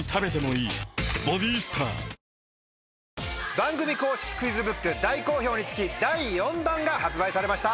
番組公式クイズブック大好評につき第４弾が発売されました。